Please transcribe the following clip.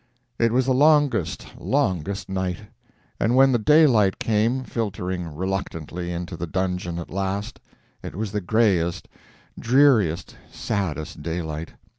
It was the longest, longest night! And when the daylight came filtering reluctantly into the dungeon at last, it was the grayest, dreariest, saddest daylight!